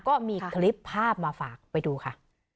ก็มีคลิปภาพมาฝากไปดูค่ะ